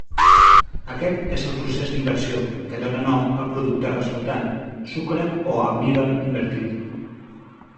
Aquest és el procés d'inversió, que dóna nom al producte resultant: sucre o almívar invertit.